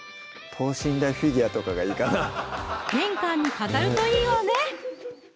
玄関に飾るといいわね